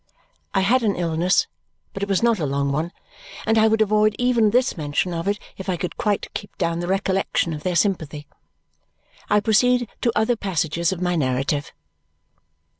I had an illness, but it was not a long one; and I would avoid even this mention of it if I could quite keep down the recollection of their sympathy. I proceed to other passages of my narrative.